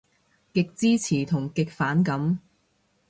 極支持同極反感